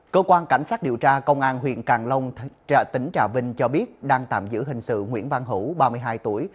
cơ quan cảnh sát điều tra công an huyện càng long tỉnh trà vinh cho biết đang tạm giữ hình sự nguyễn văn hữu ba mươi hai tuổi